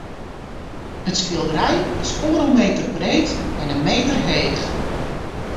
It skilderij is oardel meter breed en in meter heech.